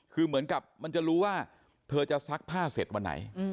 คือเหมือนกับมันจะรู้ว่าเธอจะซักผ้าเสร็จวันไหน